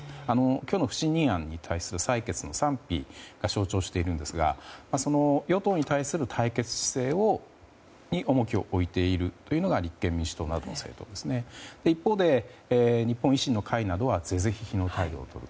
今日の不信任案に対する採決の賛否が象徴しているんですが与党に対する対決姿勢に重きを置いているのが立憲民主党になると思うんですけども一方で日本維新の会などは是々非々の態度をとる。